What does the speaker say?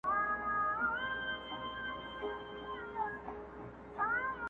هر يو سر يې هره خوا وهل زورونه!!